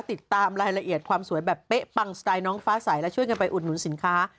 ติดตามรายละเอียดความสวยแบบเป๊ะปังสไตล์น้องฟ้าใสและช่วยกันไปอุดหนุนสินค้า